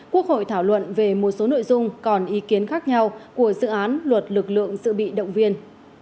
quốc hội thảo luận về một số nội dung còn ý kiến khác nhau của dự án luật lực lượng dự bị động viên